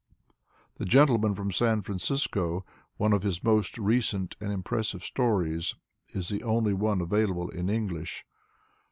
''The Gentleman from San Francisco," one of his most recent and impressive stories, is the only one available in English.